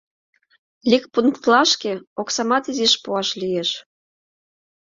Ликпунктлашке оксамат изиш пуаш лиеш.